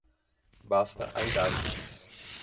Basta a idade